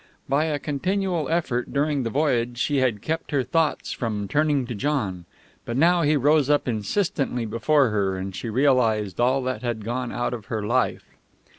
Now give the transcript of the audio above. By a continual effort during the voyage she had kept her thoughts from turning to John, but now he rose up insistently before her, and she realized all that had gone out of her life.